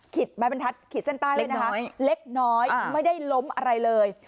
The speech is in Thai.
ขิดแส้นใต้ไว้นะคะเล็กน้อยไม่ได้ล้มอะไรเลย